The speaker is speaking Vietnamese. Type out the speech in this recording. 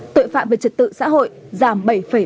tội phạm về trật tự xã hội giảm bảy ba mươi